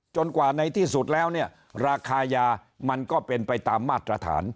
กว่าในที่สุดแล้วเนี่ยราคายามันก็เป็นไปตามมาตรฐาน